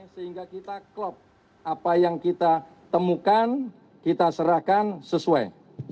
sehingga kita klop apa yang kita temukan kita serahkan sesuai